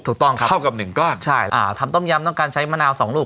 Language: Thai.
ถูกต้องครับเข้ากับหนึ่งก้อนใช่อ่าทำต้มยำต้องการใช้มะนาวสองลูก